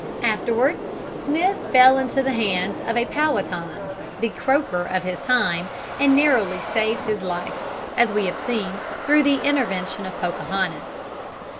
Afterward Smith fell into the hands of Powhatan, the Croker of his time, and narrowly saved his life, as we have seen, through the intervention of Pocahontas.